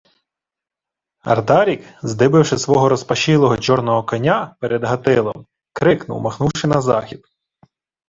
Ардарік, здибивши свого розпашілого чорного коня перед Гатилом, крикнув, махнувши на захід: